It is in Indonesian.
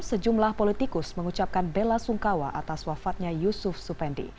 sejumlah politikus mengucapkan bela sungkawa atas wafatnya yusuf supendi